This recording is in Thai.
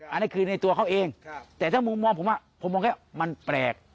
อันนี้คือในตัวเขาเองแต่ถ้ามุมมองผมผมมองแค่มันแปลก